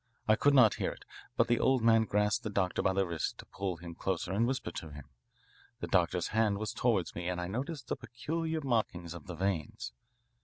I could not hear it. But the old man grasped the doctor by the wrist to pull him closer to whisper to him. The doctor's hand was toward me and I noticed the peculiar markings of the veins.